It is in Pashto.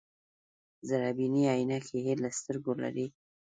ذره بيني عينکې يې له سترګو لرې کړې.